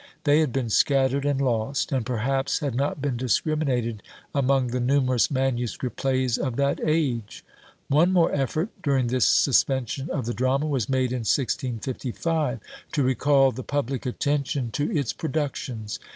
They had been scattered and lost, and, perhaps, had not been discriminated among the numerous manuscript plays of that age. One more effort, during this suspension of the drama, was made in 1655, to recal the public attention to its productions.